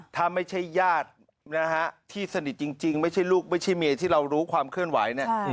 ถ้าไม่ใช่ญาตินะฮะที่สนิทจริงไม่ใช่ลูกไม่ใช่เมียที่เรารู้ความเคลื่อนไหวเนี่ย